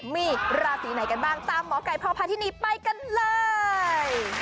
มีราศีไหนกันบ้างตามหมอไก่พอพาที่นี่ไปกันเลย